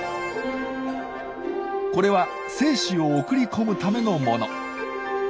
これは精子を送り込むためのもの。